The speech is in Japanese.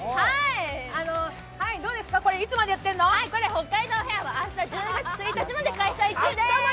北海道フェアは明日１０月１日まで開催です。